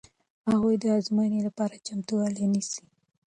هغوی د ازموینې لپاره چمتووالی نیسي.